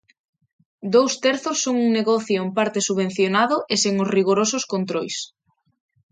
Dous terzos son un negocio en parte subvencionado e sen os rigorosos controis.